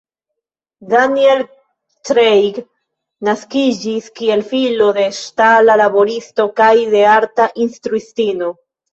Daniel Craig naskiĝis kiel filo de ŝtala laboristo kaj de arta instruistino.